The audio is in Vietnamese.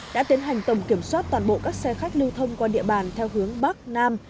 đã tiến hành tổng kiểm soát toàn bộ các xe khách lưu thông qua địa bàn theo hướng bắc nam